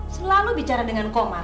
selalu bicara dengan komal